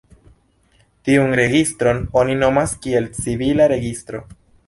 Tiun registron oni nomas kiel "civila registro".